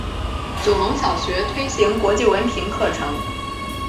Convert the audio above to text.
九龙小学推行国际文凭课程。